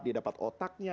dia dapat otaknya